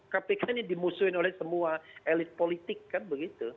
kpk ini dimusuhin oleh semua elit politik kan begitu